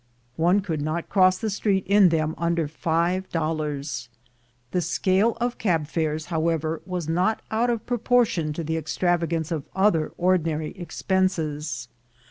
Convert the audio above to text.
One could not cross the street in them under five dollars. The scale of cab fares, however, was not out of proportion to the extravagance of other ordinary expenses.